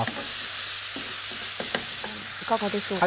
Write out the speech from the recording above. いかがでしょうか？